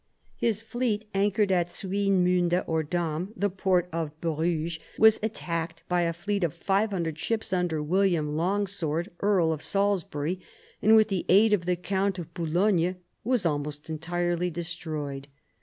His fleet, anchored at Swinemunde or Dam, the port of Bruges, was attacked in THE FALL OF THE ANGEVINS 85 by* a fleet of 500 ships, under William Longsword, earl of Salisbury, and with the aid of the count of Boulogne was almost entirely destroyed.